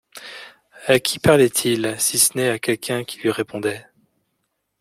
À qui parlait-il, si ce n’est à quelqu’un qui lui répondait?